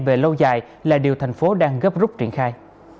về lâu dài là điều thành phố đang gấp rút triển khai